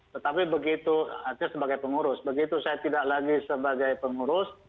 tetapi begitu artinya sebagai pengurus begitu saya tidak lagi sebagai pengurus